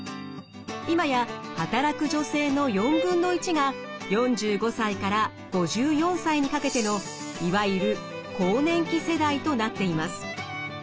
今や働く女性の４分の１が４５歳から５４歳にかけてのいわゆる更年期世代となっています。